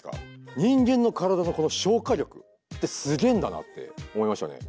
人間の体の消化力ってすげえんだなって思いましたね。